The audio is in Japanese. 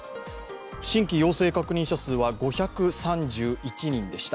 新規陽性確認者数は５３１人でした。